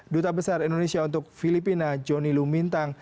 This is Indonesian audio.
duta besar indonesia untuk filipina johnny lumintang